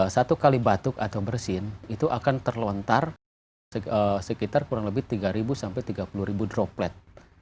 satu kali batuk atau bersin itu akan terlontar sekitar kurang lebih tiga sampai tiga puluh droplet